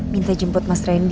minta jemput mas randy